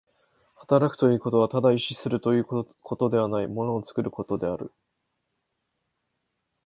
働くということはただ意志するということではない、物を作ることである。